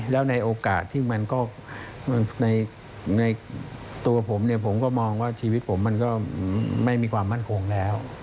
แล้วในโอกาสที่มันก็ในตัวผมเนี่ยผมก็มองว่าชีวิตผมมันก็ไม่มีความมั่นคงแล้ว